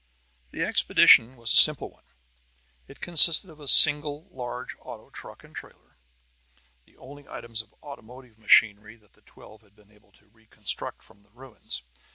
The expedition was a simple one. It consisted of a single large auto truck and trailer, the only items of automotive machinery that the twelve had been able to reconstruct from the ruins.